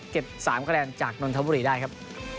เก็บสามกระแดนจากนทบุรีได้ครับ